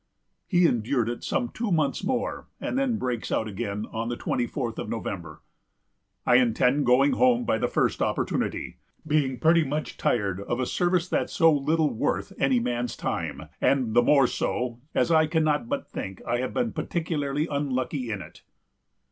He endured it some two months more, and then breaks out again on the twenty fourth of November: "I intend going home by the first opportunity, being pretty much tired of a service that's so little worth any man's time; and the more so, as I cannot but think I have been particularly unlucky in it."